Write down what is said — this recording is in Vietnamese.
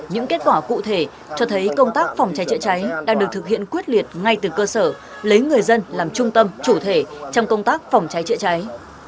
những kết quả cụ thể cho thấy công tác phòng cháy chữa cháy đang được thực hiện quyết liệt ngay từ cơ sở lấy người dân làm trung tâm chủ thể trong công tác phòng cháy chữa cháy